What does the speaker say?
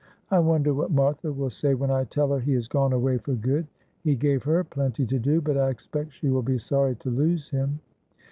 I wonder what Martha will say when I tell her he is gone away for good. He gave her plenty to do, but I expect she will be sorry to lose him."